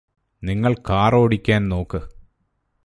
നിങ്ങള് കാറോടിക്കാൻ നോക്ക്